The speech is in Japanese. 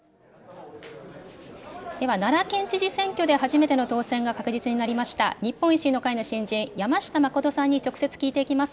では、奈良県知事選挙で初めての当選が確実になりました、日本維新の会の新人、山下真さんに直接聞いていきます。